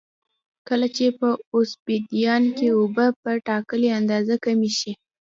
کله چې په اوبسیدیان کې اوبه په ټاکلې اندازه کمې شي